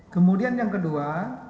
kemudian yang kedua